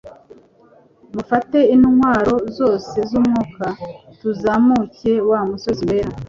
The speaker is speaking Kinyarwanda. mufate intwaro zoze zumwuka tuzamuke wamusozi wera